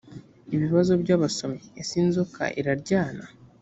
ibibazo by’abasomyi ese inzoka iraryana‽